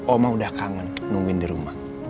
oma udah kangen nungguin di rumah